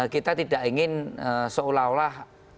kita tidak ingin seolah olah